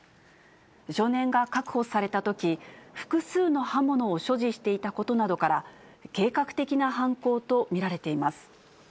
少年が確保されたとき、複数の刃物を所持していたことなどから、計画的な犯行と見られています。